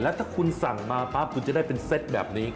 ถ้าคุณสั่งมาปั๊บคุณจะได้เป็นเซตแบบนี้